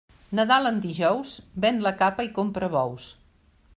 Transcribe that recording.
Nadal en dijous, ven la capa i compra bous.